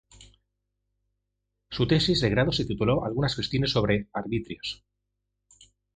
Su tesis de grado se tituló ""Algunas Cuestiones sobre Arbitrios"".